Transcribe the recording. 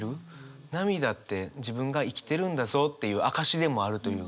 涙って自分が生きてるんだぞっていう証しでもあるというか。